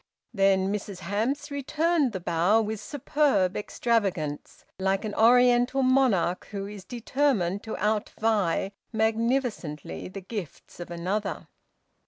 Then Mrs Hamps returned the bow with superb extravagance, like an Oriental monarch who is determined to outvie magnificently the gifts of another.